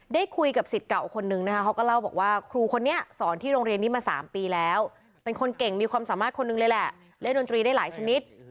ได้คุยกับสิทธิ์เก่าคนนึงนะคะเขาก็เล่าบอกว่าครูคนนี้สอนที่โรงเรียนนี้มา๓ปีแล้วเป็นคนเก่งมีความสามารถคนหนึ่งเลยแหละเล่นดนตรีได้หลายชนิด